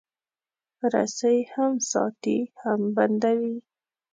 رسۍ هم ساتي، هم بندوي.